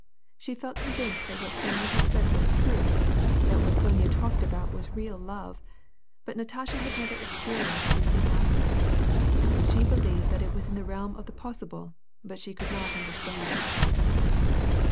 She felt convinced that what Sonya had said was true ; that what Sonya talked about was real love; but Natasha had never experienced anything like it She believed that it was in the realm of the possible, but she could not understand it.